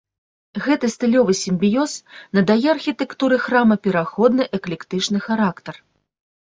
Гэты стылёвы сімбіёз надае архітэктуры храма пераходны эклектычны характар.